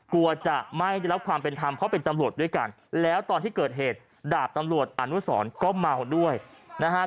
กลัวจะไม่ได้รับความเป็นธรรมเพราะเป็นตำรวจด้วยกันแล้วตอนที่เกิดเหตุดาบตำรวจอนุสรก็เมาด้วยนะฮะ